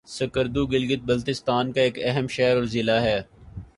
سکردو گلگت بلتستان کا ایک اہم شہر اور ضلع ہے